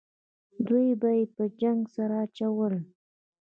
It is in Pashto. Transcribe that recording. دوه به یې په جنګ سره اچول.